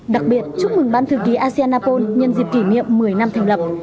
đặc biệt chúc mừng ban thư ký asean apol nhân dịp kỷ niệm một mươi năm thành lập